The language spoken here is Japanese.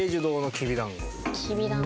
きびだんご。